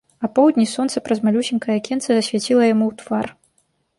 Апоўдні сонца праз малюсенькае акенца засвяціла яму ў твар.